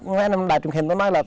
nghe đài truyền thống nói là